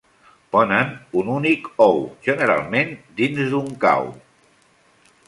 Ponen un únic ou, generalment dins d'un cau.